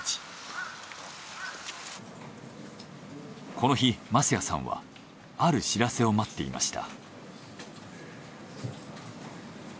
この日舛屋さんはある知らせを待っていました。